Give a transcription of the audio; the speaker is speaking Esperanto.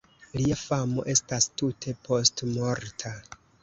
Lia famo estas tute postmorta.